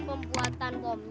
misu nya tambah lagi